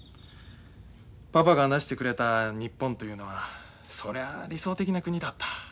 パパが話してくれた日本というのはそりゃあ理想的な国だった。